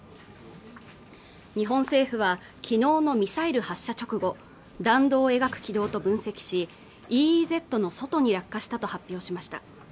日本政府はきのうのミサイル発射直後弾道を描く軌道と分析しＥＥＺの外に落下したと発表しました